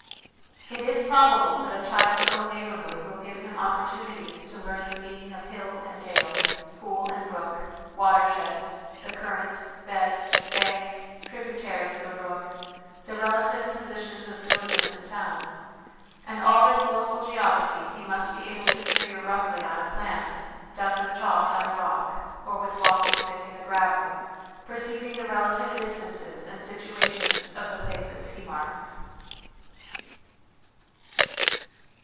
It is probable that a child's own neighbourhood will give him opportunities to learn the meaning of hill and dale, pool and brook, watershed, the current, bed, banks, tributaries of a brook, the relative positions of villages and towns ; and all this local geography he must be able to figure roughly on a plan done with chalk on a rock, or with walking stick in the gravel, perceiving the relative distances and situations of the places he marks.